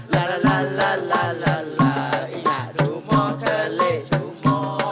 ลาลาลาลาลาลาลาอิงหาดูหมอเกล็ดดูหมอ